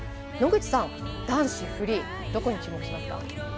野口さん、男子フリーどこに注目しますか？